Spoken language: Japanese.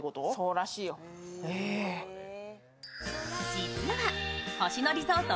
実は星野リゾート